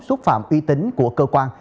xúc phạm uy tín của cơ quan